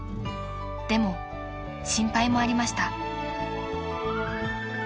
［でも心配もありました］